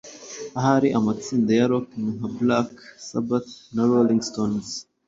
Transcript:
ahari amatsinda ya Rock nka Black Sabbath na Rolling Stones